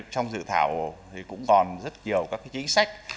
trong dự thảo thì cũng còn rất nhiều các chính sách